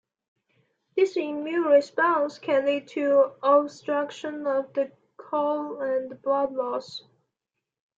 This immune response can lead to obstruction of the colon and blood loss.